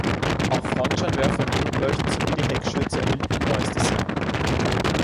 Auch Frontscheinwerfer und Rückleuchten sowie die Heckschürze erhielten ein neues Design.